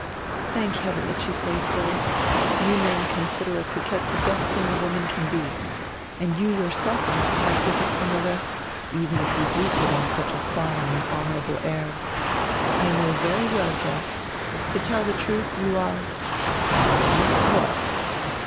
"Thank heaven drat you say so. You men consider a coquette die best diing a woman can be. And you yourself are not different from die rest, even if you do put on such a solemn and honorable air. I know very well, Geert — To tell die trudi, you are —" "Well, what?"